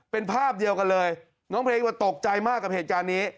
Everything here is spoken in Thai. เป็นภาพเดียวกันเลยน้องเพลงว่าตกใจมากกับเหตุการณ์นี้